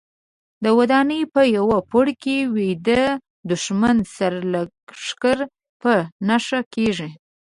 د ودانۍ په یوه پوړ کې ویده دوښمن سرلښکر په نښه کېږي.